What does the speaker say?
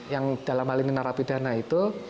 yang dalam hal ini menerapi dana itu